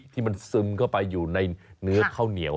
ที่มันซึมเข้าไปอยู่ในเนื้อข้าวเหนียว